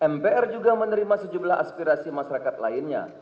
mpr juga menerima sejumlah aspirasi masyarakat lainnya